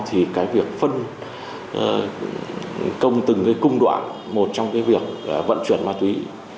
thì việc phân công từng cung đoạn một trong việc vận chuyển ma túy